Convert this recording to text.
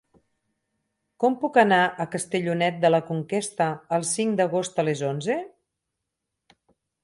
Com puc anar a Castellonet de la Conquesta el cinc d'agost a les onze?